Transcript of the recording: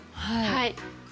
はい。